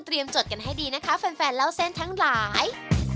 จดกันให้ดีนะคะแฟนแฟนเล่าเส้นทั้งหลาย